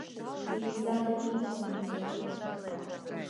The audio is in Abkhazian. Еизада иқәланы ицоит.